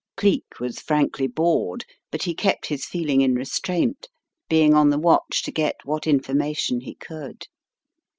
Cleek was frankly bored, but he kept his feeling in restraint, being on the watch to get what infor mation he could.